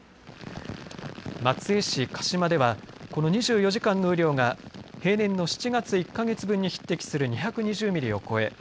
松江市鹿島ではこの２４時間の雨量が平年の７月１か月分に匹敵する２２０ミリを超え